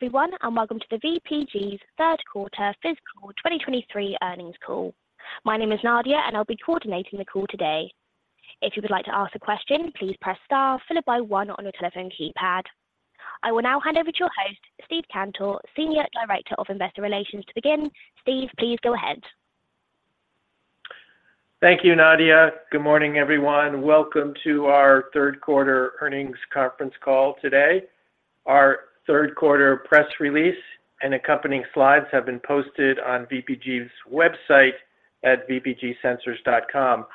Hello, everyone, and welcome to VPG's Q3 fiscal 2023 earnings call. My name is Nadia, and I'll be coordinating the call today. If you would like to ask a question, please press star, followed by one on your telephone keypad. I will now hand over to your host, Steve Cantor, Senior Director of Investor Relations, to begin. Steve, please go ahead. Thank you, Nadia. Good morning, everyone. Welcome to our Q3 earnings conference call today. Our Q3 press release and accompanying slides have been posted on VPG's website at vpgSensors.com.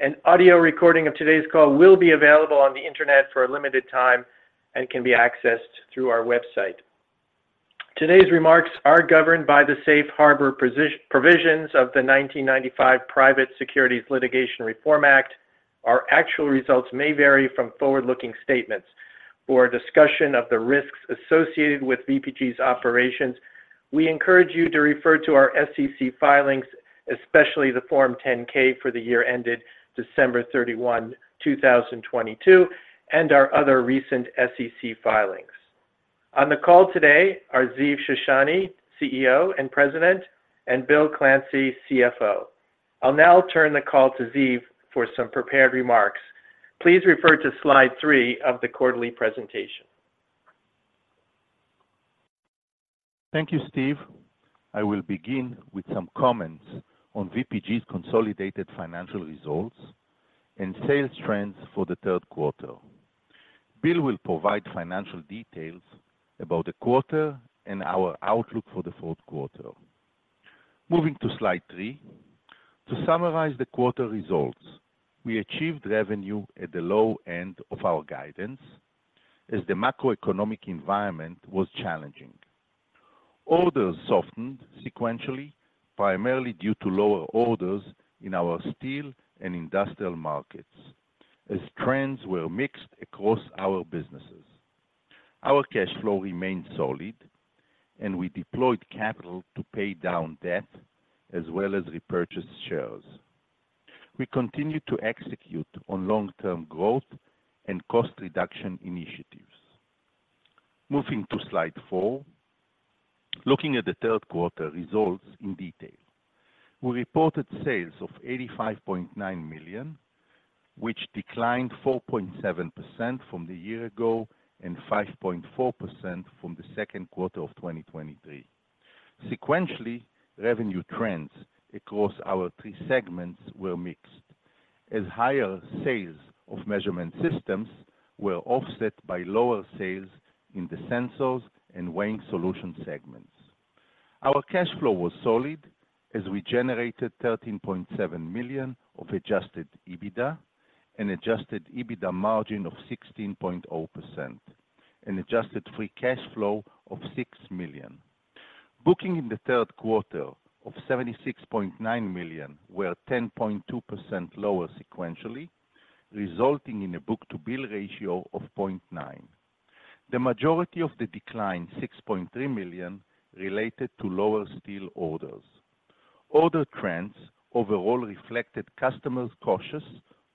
An audio recording of today's call will be available on the Internet for a limited time and can be accessed through our website. Today's remarks are governed by the Safe Harbor Provisions of the 1995 Private Securities Litigation Reform Act. Our actual results may vary from forward-looking statements. For a discussion of the risks associated with VPG's operations, we encourage you to refer to our SEC filings, especially the Form 10-K for the year ended December 31, 2022, and our other recent SEC filings. On the call today are Ziv Shoshani, CEO and President, and Bill Clancy, CFO. I'll now turn the call to Ziv for some prepared remarks. Please refer to slide 3 of the quarterly presentation. Thank you, Steve. I will begin with some comments on VPG's consolidated financial results and sales trends for the Q3. Bill will provide financial details about the quarter and our outlook for the Q4. Moving to slide three. To summarize the quarter results, we achieved revenue at the low end of our guidance as the macroeconomic environment was challenging. Orders softened sequentially, primarily due to lower orders in our steel and industrial markets, as trends were mixed across our businesses. Our cash flow remained solid, and we deployed capital to pay down debt as well as repurchase shares. We continued to execute on long-term growth and cost reduction initiatives. Moving to slide four. Looking at the Q3 results in detail. We reported sales of $85.9 million, which declined 4.7% from the year-ago and 5.4% from the Q2 of 2023. Sequentially, revenue trends across our three segments were mixed, as higher sales of Measurement Systems were offset by lower sales in the Weighing Solutions segments. our cash flow was solid as we generated $13.7 million of adjusted EBITDA and adjusted EBITDA margin of 16.0% and adjusted free cash flow of $6 million. Bookings in the Q3 of $76.9 million were 10.2% lower sequentially, resulting in a book-to-bill ratio of 0.9. The majority of the decline, $6.3 million, related to lower steel orders. Order trends overall reflected customers' cautious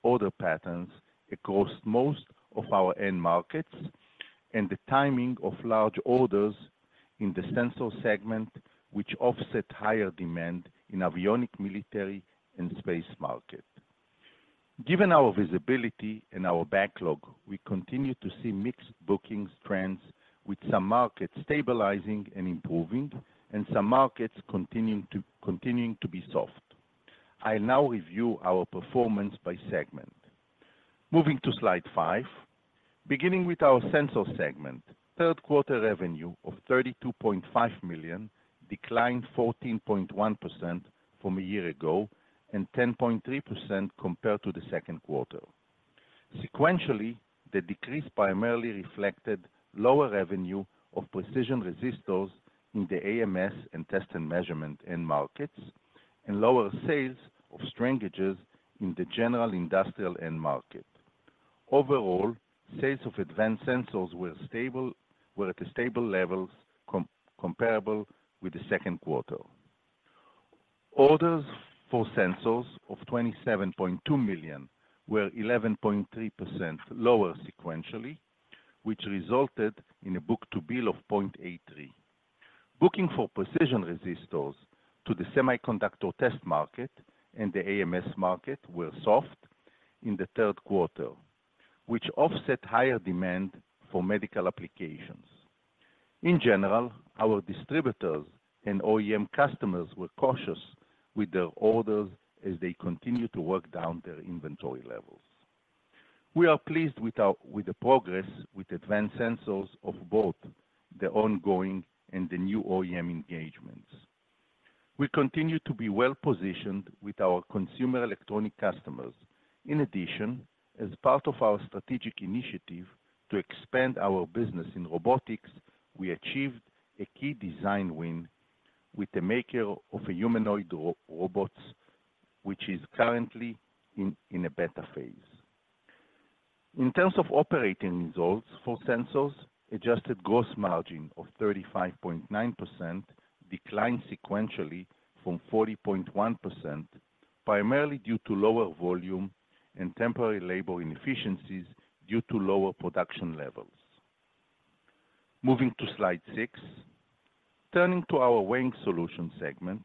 order patterns across most of our end markets and the timing of large orders in the Sensor segment, which offset higher demand in avionics, military, and space markets. Given our visibility and our backlog, we continue to see mixed bookings trends, with some markets stabilizing and improving, and some markets continuing to be soft. I now review our performance by segment. Moving to Slide 5. Beginning with our Sensor segment, Q3 revenue of $32.5 million declined 14.1% from a year ago and 10.3% compared to the Q2. Sequentially, the decrease primarily reflected lower revenue of precision resistors in the AMS and test and measurement end markets, and lower sales of strain gauges in the general industrial end market. Overall, sales of advanced Sensors were stable at levels comparable with the Q2. Orders for Sensors of $27.2 million were 11.3% lower sequentially, which resulted in a book-to-bill of 0.83. Bookings for precision resistors to the semiconductor test market and the AMS market were soft in the Q3, which offset higher demand for medical applications. In general, our distributors and OEM customers were cautious with their orders as they continued to work down their inventory levels. We are pleased with our progress with advanced Sensors of both the ongoing and the new OEM engagements. We continue to be well-positioned with our consumer electronic customers. In addition, as part of our strategic initiative to expand our business in robotics, we achieved a key design win with the maker of a humanoid robots, which is currently in a beta phase. In terms of operating results for Sensors, adjusted gross margin of 35.9% declined sequentially from 40.1% primarily due to lower volume and temporary labor inefficiencies due to lower production levels. Moving to slide 6. Turning Weighing Solutions segment,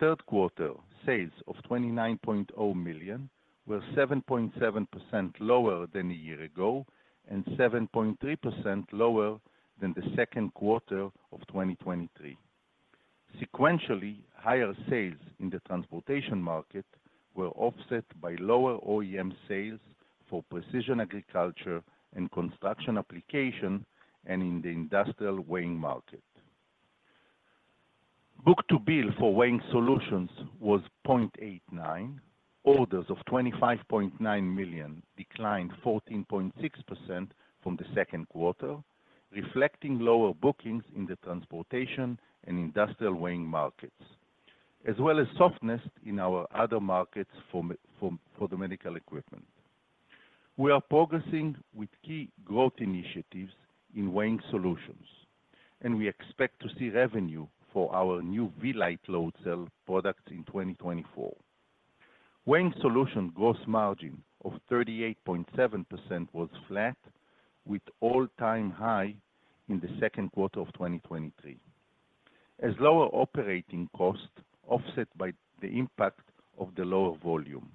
Q3 sales of $29.0 million were 7.7% lower than a year ago, and 7.3% lower than the Q2 of 2023. Sequentially, higher sales in the transportation market were offset by lower OEM sales for precision agriculture and construction application, and in the industrial weighing market. Weighing Solutions was 0.89. Orders of $25.9 million declined 14.6% from the Q2, reflecting lower bookings in the transportation and industrial weighing markets, as well as softness in our other markets for the medical equipment. We are progressing with key growth Weighing Solutions, and we expect to see revenue for our new V-Lite load cell products Weighing Solution gross margin of 38.7% was flat, with all-time high in the Q2 of 2023, as lower operating costs offset by the impact of the lower volume.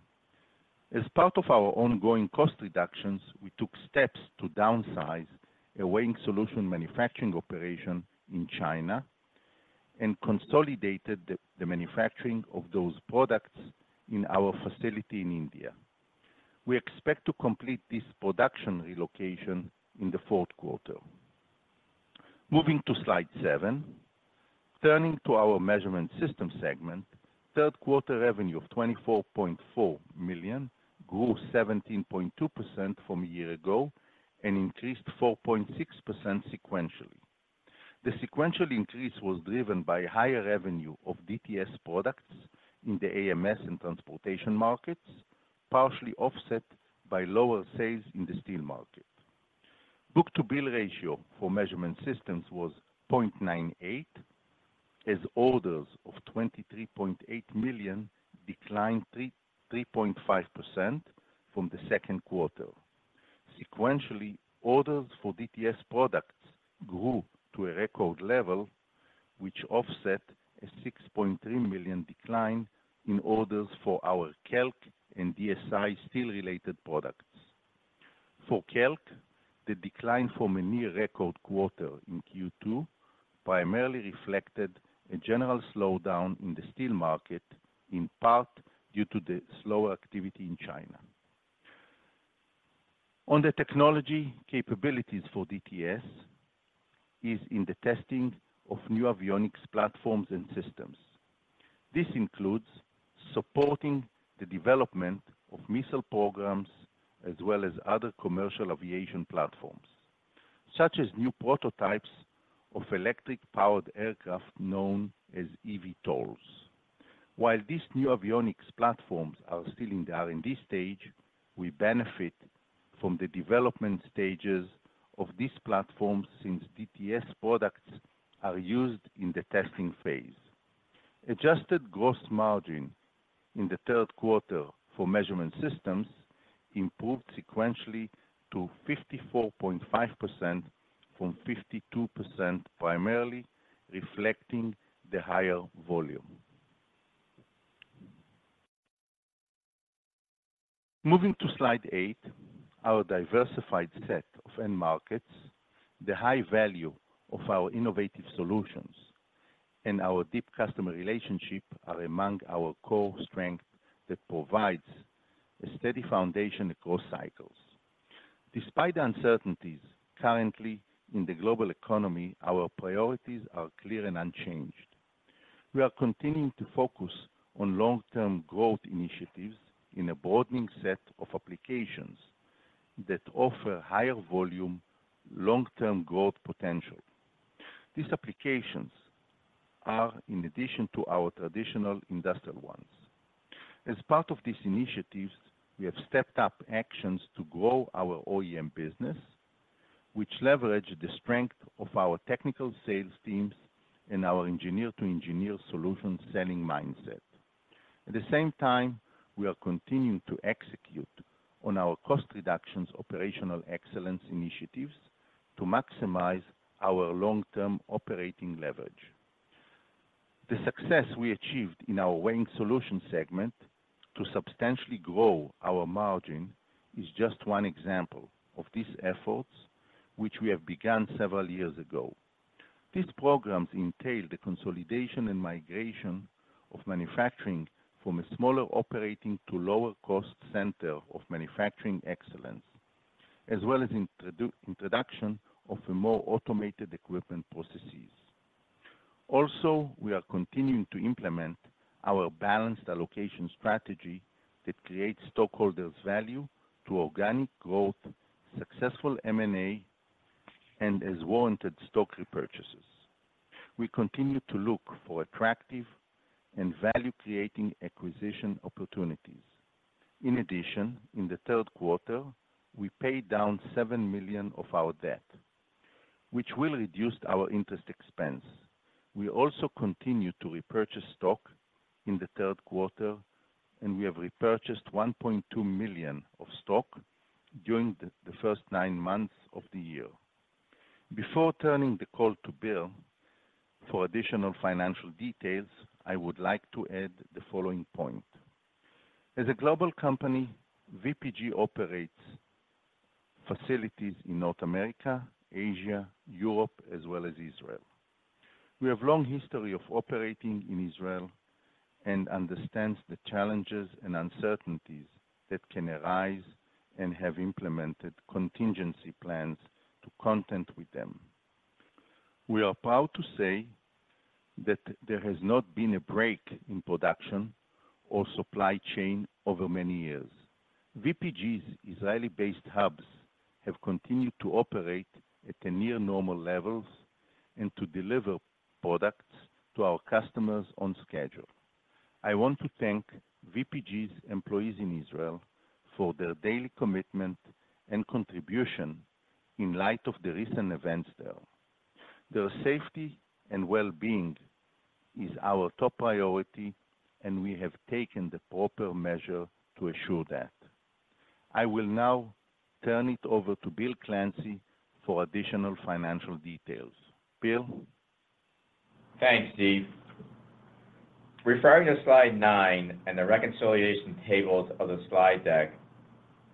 As part of our ongoing cost reductions, we took steps to Weighing Solution manufacturing operation in China and consolidated the manufacturing of those products in our facility in India. We expect to complete this production relocation in the Q4. Moving to slide seven. Turning to our Measurement Systems segment, Q3 revenue of $24.4 million grew 17.2% from a year ago and increased 4.6% sequentially. The sequential increase was driven by higher revenue of DTS products in the AMS and transportation markets, partially offset by lower sales in the steel market. Book-to-bill ratio for Measurement Systems was 0.98, as orders of $23.8 million declined 3.5% from the Q2. Sequentially, orders for DTS products grew to a record level, which offset a $6.3 million decline in orders for our KELK and DSI steel-related products. For KELK, the decline from a near record quarter in Q2 primarily reflected a general slowdown in the steel market, in part due to the slower activity in China. On the technology capabilities for DTS is in the testing of new avionics platforms and systems. This includes supporting the development of missile programs, as well as other commercial aviation platforms, such as new prototypes of electric-powered aircraft known as eVTOLs. While these new avionics platforms are still in the R&D stage, we benefit from the development stages of these platforms since DTS products are used in the testing phase. Adjusted gross margin in the Q3 for Measurement Systems improved sequentially to 54.5% from 52%, primarily reflecting the higher volume. Moving to slide 8, our diversified set of end markets, the high value of our innovative solutions, and our deep customer relationship are among our core strengths that provides a steady foundation across cycles. Despite the uncertainties currently in the global economy, our priorities are clear and unchanged. We are continuing to focus on long-term growth initiatives in a broadening set of applications that offer higher volume, long-term growth potential. These applications are in addition to our traditional industrial ones. As part of these initiatives, we have stepped up actions to grow our OEM business, which leverage the strength of our technical sales teams and our engineer-to-engineer solution selling mindset. At the same time, we are continuing to execute on our cost reductions operational excellence initiatives to maximize our long-term operating leverage. The success we achieved Weighing Solutions segment to substantially grow our margin is just one example of these efforts, which we have begun several years ago. These programs entail the consolidation and migration of manufacturing from a smaller operating to lower cost center of manufacturing excellence, as well as introduction of a more automated equipment processes. Also, we are continuing to implement our balanced allocation strategy that creates stockholders' value through organic growth, successful M&A, and as warranted, stock repurchases. We continue to look for attractive and value-creating acquisition opportunities... In addition, in the Q3, we paid down $7 million of our debt, which will reduce our interest expense. We also continued to repurchase stock in the Q3, and we have repurchased 1.2 million of stock during the first nine months of the year. Before turning the call to Bill for additional financial details, I would like to add the following point: As a global company, VPG operates facilities in North America, Asia, Europe, as well as Israel. We have a long history of operating in Israel and understand the challenges and uncertainties that can arise, and have implemented contingency plans to contend with them. We are proud to say that there has not been a break in production or supply chain over many years. VPG's Israeli-based hubs have continued to operate at the near normal levels and to deliver products to our customers on schedule. I want to thank VPG's employees in Israel for their daily commitment and contribution in light of the recent events there. Their safety and well-being is our top priority, and we have taken the proper measure to assure that. I will now turn it over to Bill Clancy for additional financial details. Bill? Thanks, Steve. Referring to Slide 9 and the reconciliation tables of the slide deck,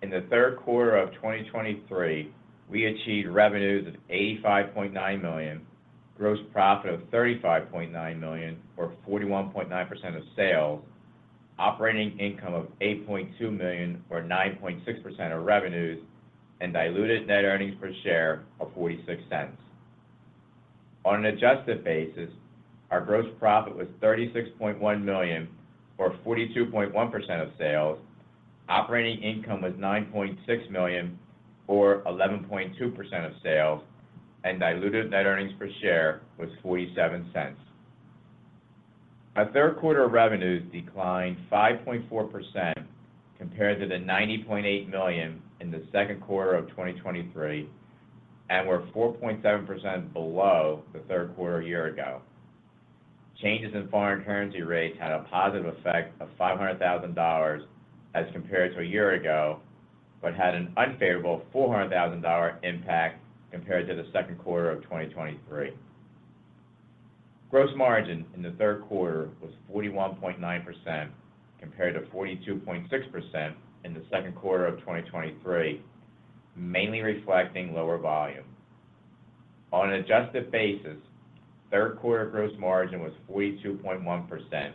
in the Q3 of 2023, we achieved revenues of $85.9 million, gross profit of $35.9 million, or 41.9% of sales. Operating income of $8.2 million, or 9.6% of revenues, and diluted net earnings per share of $0.46. On an adjusted basis, our gross profit was $36.1 million, or 42.1% of sales. Operating income was $9.6 million, or 11.2% of sales, and diluted net earnings per share was $0.47. Our Q3 revenues declined 5.4% compared to the $90.8 million in the Q2 of 2023, and were 4.7% below the Q3 a year ago. Changes in foreign currency rates had a positive effect of $500,000 as compared to a year ago, but had an unfavorable $400,000 impact compared to the Q2 of 2023. Gross margin in the Q3 was 41.9%, compared to 42.6% in the Q2 of 2023, mainly reflecting lower volume. On an adjusted basis, Q3 gross margin was 42.1%,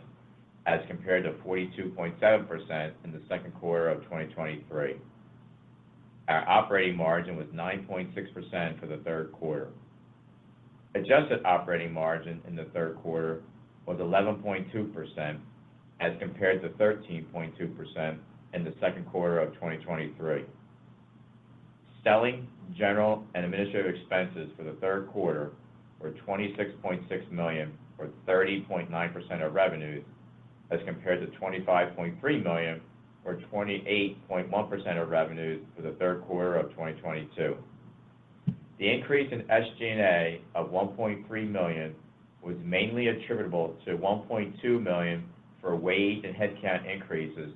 as compared to 42.7% in the Q2 of 2023. Our operating margin was 9.6% for the Q3. Adjusted operating margin in the Q3 was 11.2%, as compared to 13.2% in the Q2 of 2023. Selling, general, and administrative expenses for the Q3 were $26.6 million, or 30.9% of revenues, as compared to $25.3 million, or 28.1% of revenues for the Q3 of 2022. The increase in SG&A of $1.3 million was mainly attributable to $1.2 million for wage and headcount increases,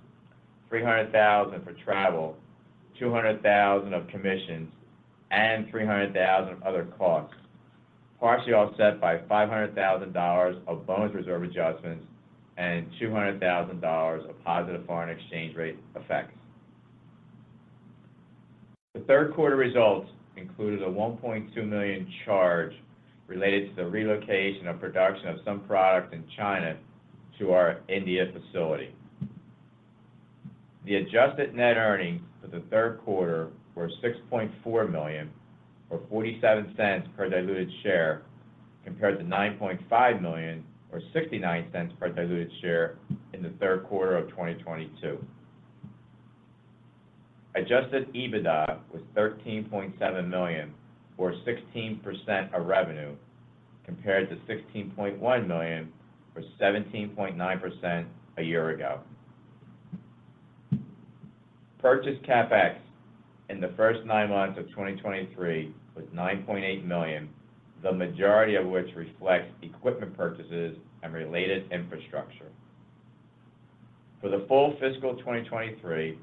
$300,000 for travel, $200,000 of commissions, and $300,000 of other costs, partially offset by $500,000 of bonus reserve adjustments and $200,000 of positive foreign exchange rate effects. The Q3 results included a $1.2 million charge related to the relocation of production of some products in China to our India facility. The adjusted net earnings for the Q3 were $6.4 million, or $0.47 per diluted share, compared to $9.5 million, or $0.69 per diluted share in the Q3 of 2022. Adjusted EBITDA was $13.7 million, or 16% of revenue, compared to $16.1 million, or 17.9% a year ago. Purchase CapEx in the first nine months of 2023 was $9.8 million, the majority of which reflects equipment purchases and related infrastructure. For the full fiscal 2023,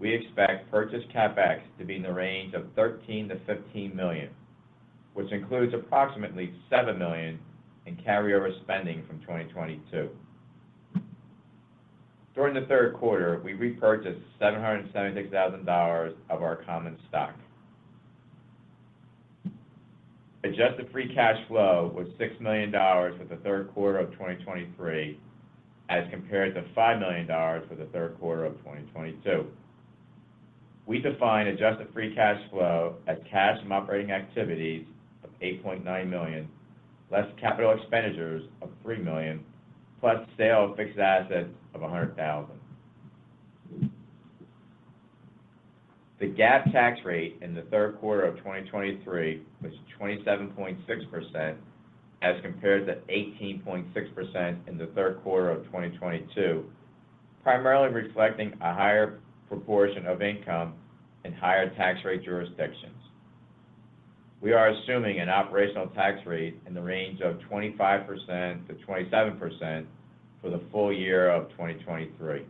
we expect purchase CapEx to be in the range of $13 million-$15 million, which includes approximately $7 million in carryover spending from 2022. During the Q3, we repurchased $776,000 of our common stock. Adjusted free cash flow was $6 million for the Q3 of 2023, as compared to $5 million for the Q3 of 2022. We define adjusted free cash flow as cash from operating activities of $8.9 million, less capital expenditures of $3 million, plus sale of fixed assets of $100,000. The GAAP tax rate in the Q3 of 2023 was 27.6%, as compared to 18.6% in the Q3 of 2022, primarily reflecting a higher proportion of income in higher tax rate jurisdictions. We are assuming an operational tax rate in the range of 25%-27% for the full year of 2023.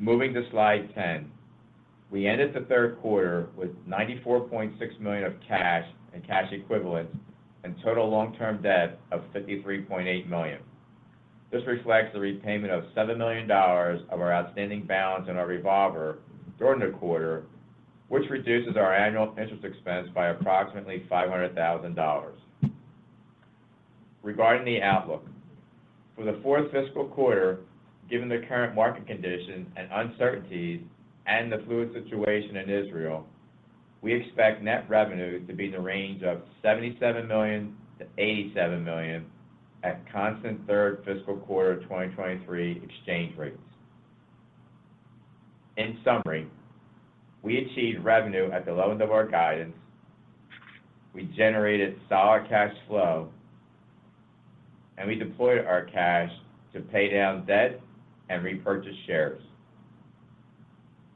Moving to slide 10. We ended the Q3 with $94.6 million of cash and cash equivalents, and total long-term debt of $53.8 million. This reflects the repayment of $7 million of our outstanding balance in our revolver during the quarter, which reduces our annual interest expense by approximately $500,000. Regarding the outlook, for the fourth fiscal quarter, given the current market conditions and uncertainties and the fluid situation in Israel, we expect net revenue to be in the range of $77 million-$87 million at constant third fiscal quarter of 2023 exchange rates. In summary, we achieved revenue at the low end of our guidance. We generated solid cash flow, and we deployed our cash to pay down debt and repurchase shares.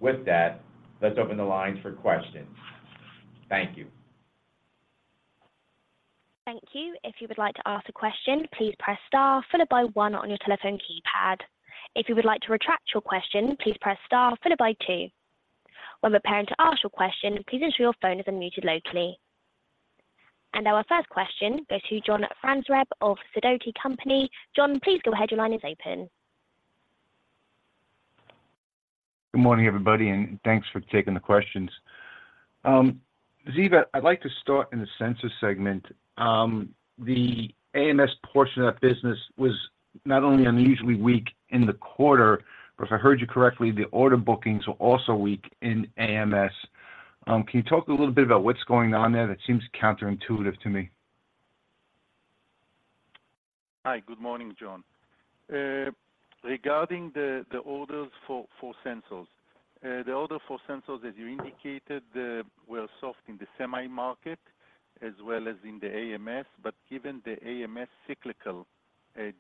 With that, let's open the lines for questions. Thank you. Thank you. If you would like to ask a question, please press Star followed by one on your telephone keypad. If you would like to retract your question, please press Star followed by two. When preparing to ask your question, please ensure your phone is unmuted locally. Our first question goes to John Franzreb of Sidoti & Company. John, please go ahead. Your line is open. Good morning, everybody, and thanks for taking the questions. Ziv, I'd like to start in the Sensor segment. The AMS portion of that business was not only unusually weak in the quarter, but if I heard you correctly, the order bookings were also weak in AMS. Can you talk a little bit about what's going on there? That seems counterintuitive to me. Hi, good morning, John. Regarding the orders for Sensors. The order for Sensors, as you indicated, were soft in the semi market as well as in the AMS, but given the AMS cyclical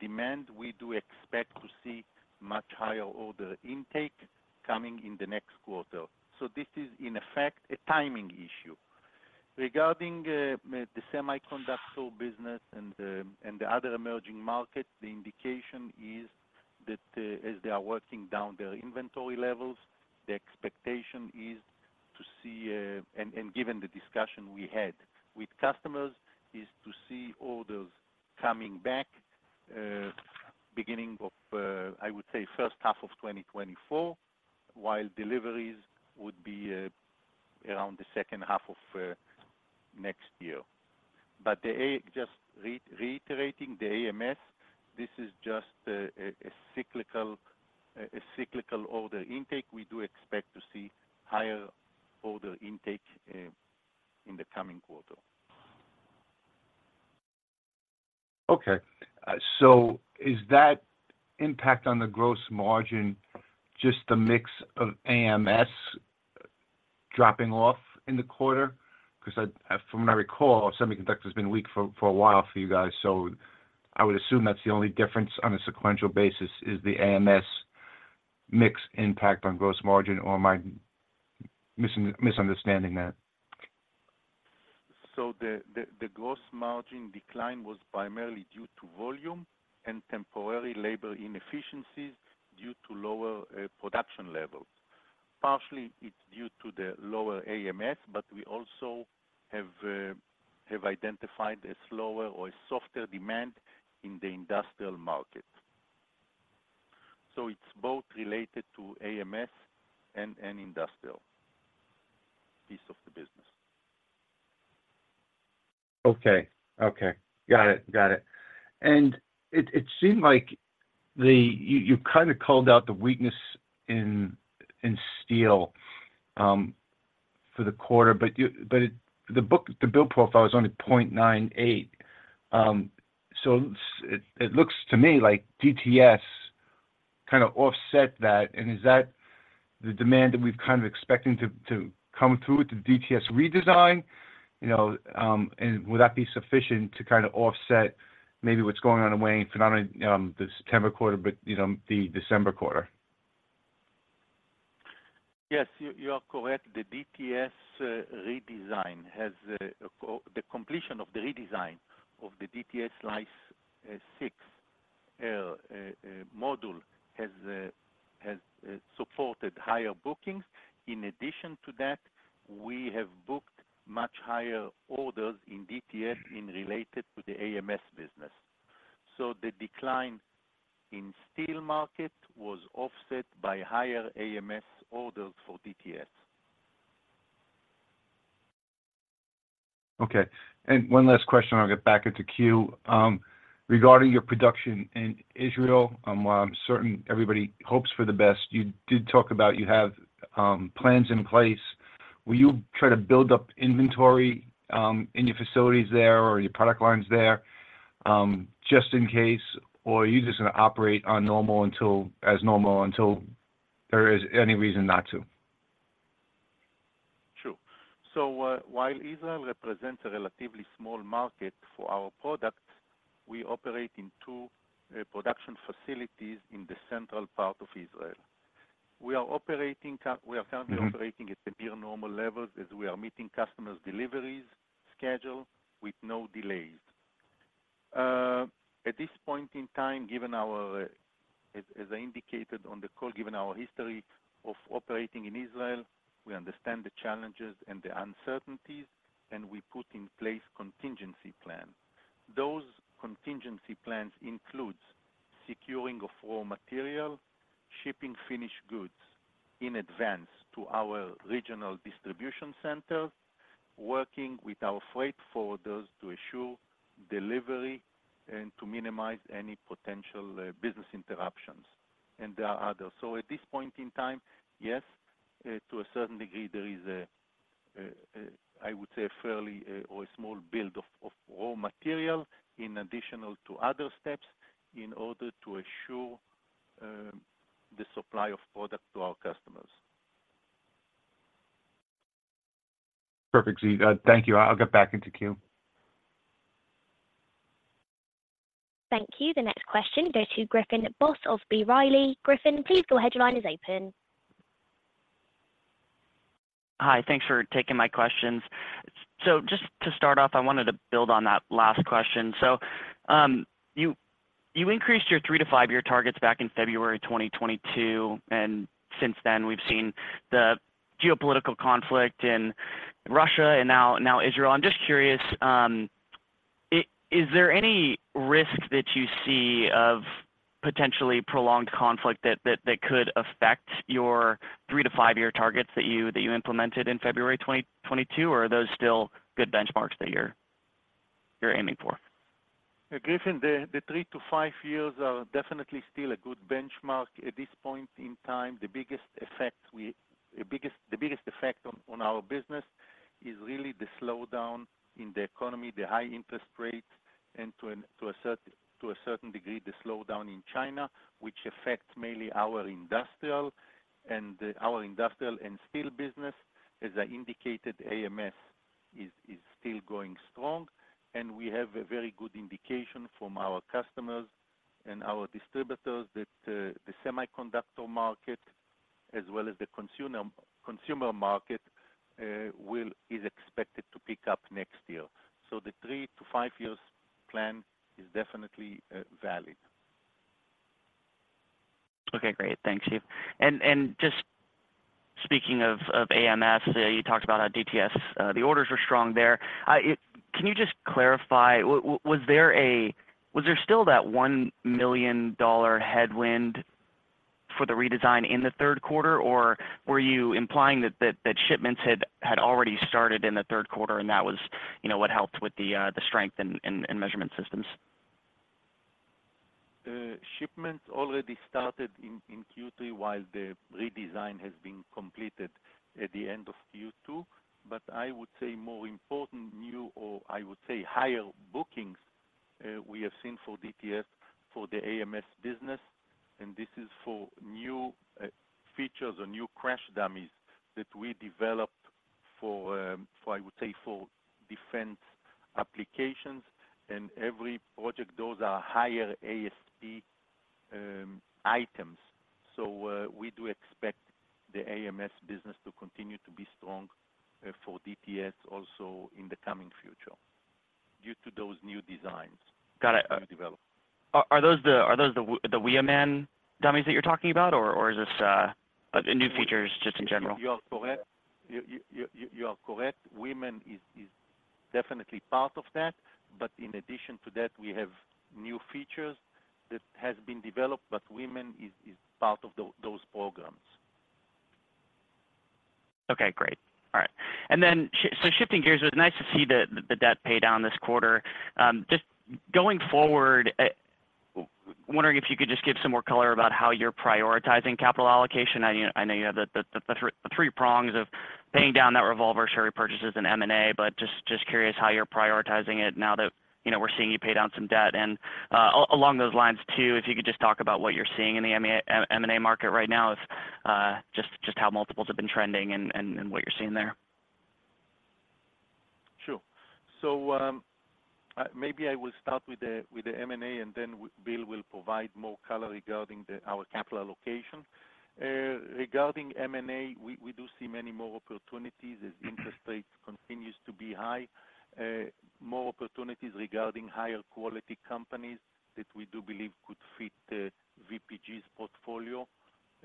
demand, we do expect to see much higher order intake coming in the next quarter. So this is, in effect, a timing issue. Regarding the semiconductor business and the other emerging markets, the indication is that, as they are working down their inventory levels, the expectation is to see... Given the discussion we had with customers, is to see orders coming back, beginning of, I would say, H1 of 2024, while deliveries would be around the H2 of next year. But the AMS, just reiterating the AMS, this is just a cyclical order intake. We do expect to see higher order intake in the coming quarter. Okay. So is that impact on the gross margin just a mix of AMS dropping off in the quarter? Because I, from what I recall, semiconductor has been weak for a while for you guys, so I would assume that's the only difference on a sequential basis, is the AMS mix impact on gross margin, or am I misunderstanding that? So the gross margin decline was primarily due to volume and temporary labor inefficiencies due to lower production levels. Partially, it's due to the lower AMS, but we also have identified a slower or a softer demand in the industrial market. So it's both related to AMS and industrial piece of the business. Okay. Okay. Got it. Got it. And it seemed like the... You kind of called out the weakness in steel for the quarter, but the book-to-bill profile is only 0.98. So it looks to me like DTS kind of offset that, and is that the demand that we've kind of expecting to come through with the DTS redesign? You know, and would that be sufficient to kind of offset maybe what's going on in waning phenomenon, the September quarter, but, you know, the December quarter? Yes, you are correct. The completion of the redesign of the DTS SLICE6 module has supported higher bookings. In addition to that, we have booked much higher orders in DTS in relation to the AMS business. So the decline in steel market was offset by higher AMS orders for DTS. Okay, and one last question, I'll get back into queue. Regarding your production in Israel, while I'm certain everybody hopes for the best, you did talk about you have plans in place. Will you try to build up inventory in your facilities there or your product lines there, just in case, or are you just going to operate on normal until, as normal, until there is any reason not to? Sure. So, while Israel represents a relatively small market for our products, we operate in two production facilities in the central part of Israel. We are currently operating at near normal levels as we are meeting customers' deliveries schedule with no delays. At this point in time, given our, as I indicated on the call, given our history of operating in Israel, we understand the challenges and the uncertainties, and we put in place contingency plans. Those contingency plans includes securing of raw material, shipping finished goods in advance to our regional distribution centers, working with our freight forwarders to ensure delivery and to minimize any potential business interruptions, and there are others. So at this point in time, yes, to a certain degree, there is a, I would say, a fairly or a small build of raw material in addition to other steps in order to ensure the supply of product to our customers. Perfect, Ziv. Thank you. I'll get back into queue. Thank you. The next question goes to Griffin Boss of B. Riley. Griffin, please your headline is open. Hi, thanks for taking my questions. So just to start off, I wanted to build on that last question. You increased your 3- to 5-year targets back in February 2022, and since then, we've seen the geopolitical conflict in Russia and now Israel. I'm just curious, is there any risk that you see of potentially prolonged conflict that could affect your 3- to 5-year targets that you implemented in February 2022, or are those still good benchmarks that you're aiming for? Griffin, the three to five years are definitely still a good benchmark at this point in time. The biggest effect on our business is really the slowdown in the economy, the high interest rates, and to a certain degree, the slowdown in China, which affects mainly our industrial and steel business. As I indicated, AMS is still going strong, and we have a very good indication from our customers and our distributors that the semiconductor market, as well as the consumer market, is expected to pick up next year. So the three to five years plan is definitely valid. Okay, great. Thanks, Ziv. And just speaking of AMS, you talked about how DTS, the orders were strong there. Can you just clarify, was there still that $1 million headwind for the redesign in the Q3, or were you implying that shipments had already started in the Q3, and that was, you know, what helped with the strength in measurement systems? Shipments already started in Q3 while the redesign has been completed at the end of Q2. But I would say more important new, or I would say, higher bookings, we have seen for DTS for the AMS business, and this is for new features or new crash dummies that we developed for, for I would say, for defense applications, and every project, those are higher ASP items. So, we do expect the AMS business to continue to be strong, for DTS also in the coming future, due to those new designs- Got it. -to develop. Are those the women dummies that you're talking about, or is this new features just in general? You are correct. You are correct. VPG is definitely part of that, but in addition to that, we have new features that has been developed, but VPG is part of those programs. Okay, great. All right. And then so shifting gears, it was nice to see the, the debt pay down this quarter. Just going forward, wondering if you could just give some more color about how you're prioritizing capital allocation. I know, I know you have the, the, the, the three prongs of paying down that revolver share repurchases in M&A, but just, just curious how you're prioritizing it now that, you know, we're seeing you pay down some debt. And, along those lines, too, if you could just talk about what you're seeing in the M&A, M&A market right now, if, just, just how multiples have been trending and, and, and what you're seeing there. Sure. So, maybe I will start with the M&A, and then Bill will provide more color regarding our capital allocation. Regarding M&A, we do see many more opportunities as interest rates continues to be high, more opportunities regarding higher quality companies that we do believe could fit VPG's portfolio,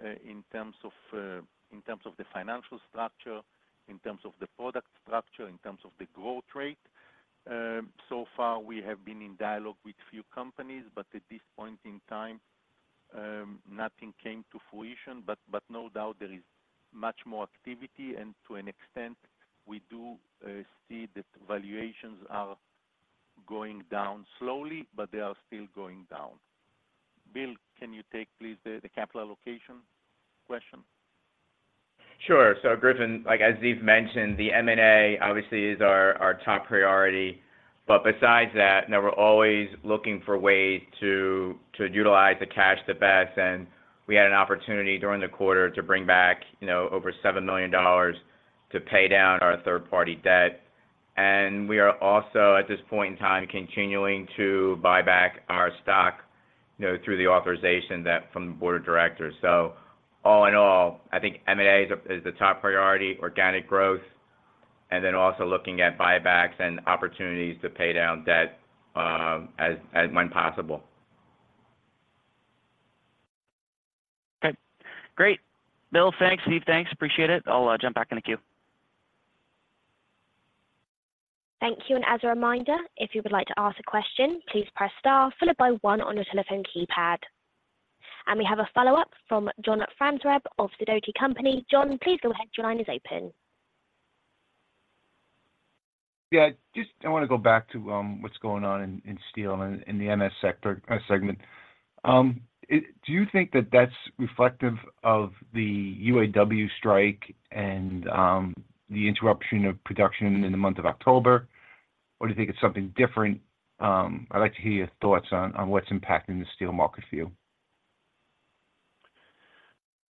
in terms of the financial structure, in terms of the product structure, in terms of the growth rate. So far, we have been in dialogue with few companies, but at this point in time, nothing came to fruition, but no doubt there is much more activity, and to an extent, we do see that valuations are going down slowly, but they are still going down... Bill, can you take please the capital allocation question? Sure. So, Griffin, like, as Ziv mentioned, the M&A obviously is our top priority, but besides that, now we're always looking for ways to utilize the cash the best, and we had an opportunity during the quarter to bring back, you know, over $7 million to pay down our third-party debt. And we are also, at this point in time, continuing to buy back our stock, you know, through the authorization from the board of directors. So all in all, I think M&A is the top priority, organic growth, and then also looking at buybacks and opportunities to pay down debt, as when possible. Okay, great. Bill, thanks. Steve, thanks. Appreciate it. I'll jump back in the queue. Thank you, and as a reminder, if you would like to ask a question, please press Star followed by one on your telephone keypad. We have a follow-up from John Franzreb of Sidoti & Company. John, please go ahead. Your line is open. Yeah, just I wanna go back to what's going on in steel and in the MS sector segment. Do you think that that's reflective of the UAW strike and the interruption of production in the month of October? Or do you think it's something different? I'd like to hear your thoughts on what's impacting the steel market for you.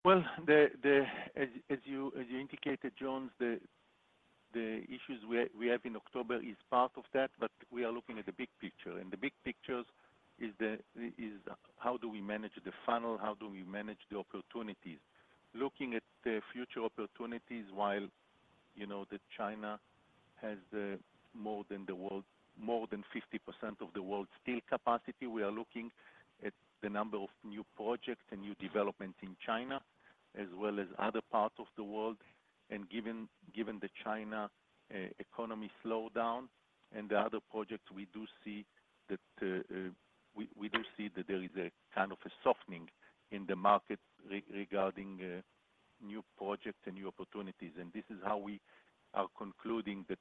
Well, as you indicated, John, the issues we have in October is part of that, but we are looking at the big picture, and the big picture is how do we manage the funnel? How do we manage the opportunities? Looking at the future opportunities, while, you know, that China has more than 50% of the world's steel capacity, we are looking at the number of new projects and new developments in China, as well as other parts of the world. And given the China economy slowdown and the other projects, we do see that we do see that there is a kind of a softening in the market regarding new projects and new opportunities, and this is how we are concluding that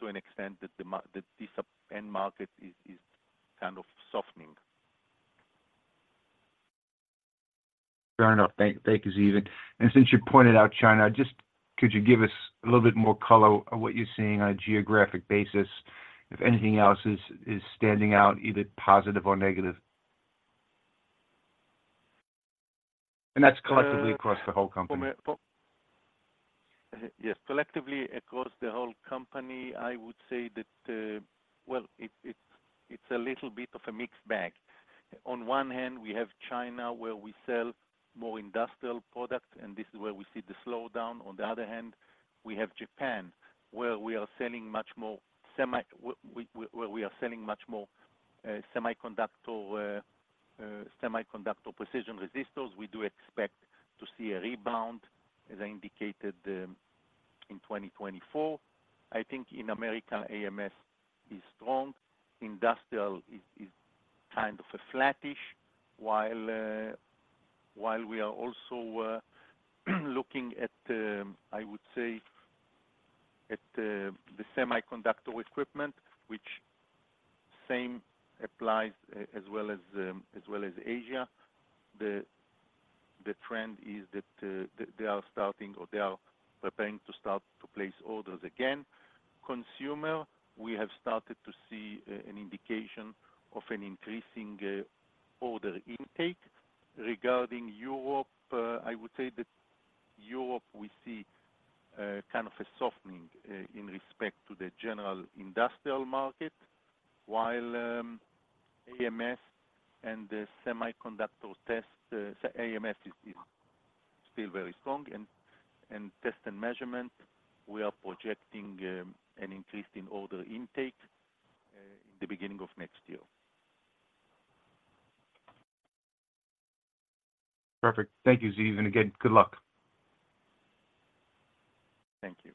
to an extent, that this end market is kind of softening. Fair enough. Thank you, Ziv. And since you pointed out China, just could you give us a little bit more color on what you're seeing on a geographic basis, if anything else is standing out, either positive or negative? And that's collectively across the whole company. Yes, collectively across the whole company, I would say that, well, it's a little bit of a mixed bag. On one hand, we have China, where we sell more industrial products, and this is where we see the slowdown. On the other hand, we have Japan, where we are selling much more semiconductor precision resistors. We do expect to see a rebound, as I indicated, in 2024. I think in America, AMS is strong. Industrial is kind of flattish, while we are also looking at the semiconductor equipment, which same applies as well as Asia. The trend is that they are starting or they are preparing to start to place orders again. Consumer, we have started to see an indication of an increasing order intake. Regarding Europe, I would say that Europe we see kind of a softening in respect to the general industrial market, while AMS and the semiconductor test AMS is still very strong and test and measurement, we are projecting an increase in order intake in the beginning of next year. Perfect. Thank you, Ziv, and again, good luck. Thank you.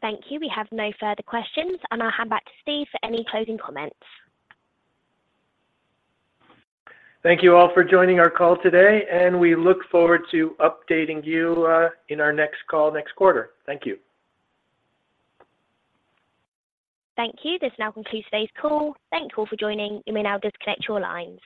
Thank you. We have no further questions, and I'll hand back to Steve for any closing comments. Thank you all for joining our call today, and we look forward to updating you, in our next call next quarter. Thank you. Thank you. This now concludes today's call. Thank you all for joining. You may now disconnect your lines.